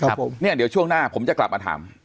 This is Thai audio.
เนี่ยเดี๋ยวช่วงหน้าผมจะกลับมาถาม